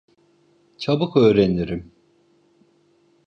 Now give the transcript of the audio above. Çabuk öğrenirim.